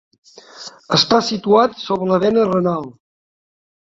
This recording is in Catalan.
Està situat sobre la vena renal.